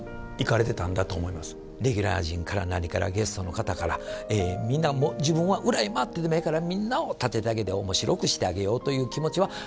レギュラー陣から何からゲストの方からみんな自分は裏へ回ってでもええからみんなを立ててあげて面白くしてあげようという気持ちはありありと分かりました。